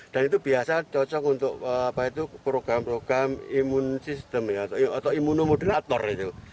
dan itu biasa cocok untuk program program imun sistem atau imunomoderator gitu